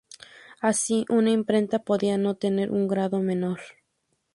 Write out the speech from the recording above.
Así una imprenta podía no tener un grado menor.